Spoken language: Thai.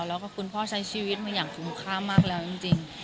แล้วก็คุณพ่อใช้ชีวิตมาอย่างคุ้มค่ามากแล้วจริง